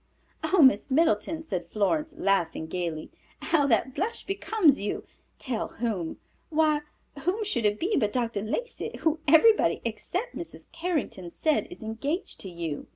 "Oh, Miss Middleton," said Florence, laughing gayly, "how that blush becomes you! Tell whom? Why, whom should it be but Dr. Lacey, who everybody, except Mrs. Carrington, says is engaged to you."